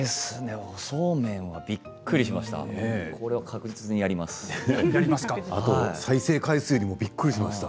そうめん、びっくりしました。